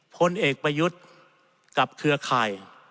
พลเอกประยุทธ์กับเครือข่าย